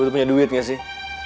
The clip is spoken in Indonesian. ibu tuh punya duit gak sih